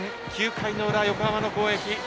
９回の裏、横浜の攻撃。